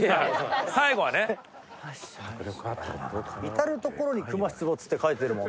至る所に「熊出没」って書いてるもんな。